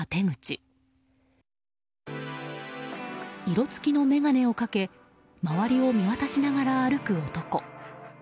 色付きの眼鏡をかけ周りを見渡しながら歩く男。